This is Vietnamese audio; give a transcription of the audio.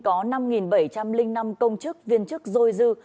có năm bảy trăm linh năm công chức viên chức dôi dư